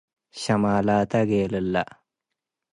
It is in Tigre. ሸማላተ ጌልለ